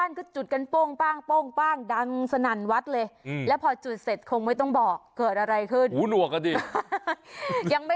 ยังไม่มีทัศนมแต่สิ่งที่เรียกได้อยู่